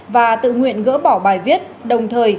và tự nguyện gỡ bỏ bài viết đồng thời